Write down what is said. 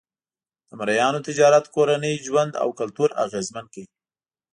د مریانو تجارت کورنی ژوند او کلتور اغېزمن کړ.